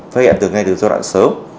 phải hiện từ ngay từ giai đoạn sớm